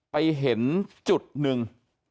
ไปเห็นจุดหนึ่ง